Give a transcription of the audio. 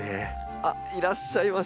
あっいらっしゃいました。